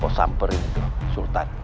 kau samperin dulu sultan